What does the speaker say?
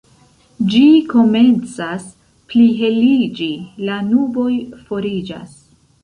Ĝi komencas pliheliĝi, la nuboj foriĝas.